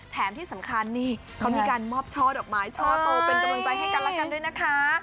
แถมที่สำคัญนี่เขามีการมอบช่อดอกไม้ช่อโตเป็นกำลังใจให้กันแล้วกันด้วยนะคะ